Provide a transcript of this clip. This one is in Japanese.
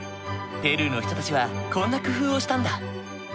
ペルーの人たちはこんな工夫をしたんだ。